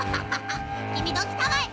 「きみどきたまえ。